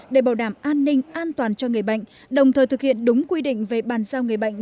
để bảo đảm an ninh an toàn cho người bệnh đồng thời thực hiện đúng quy định về bàn giao người bệnh